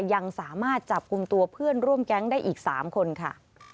ยังสามารถจับกลุ่มตัวเพื่อนร่วมแก๊งได้อีก๓คนค่ะ